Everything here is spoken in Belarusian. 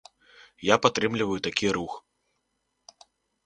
Я падтрымліваю такі рух.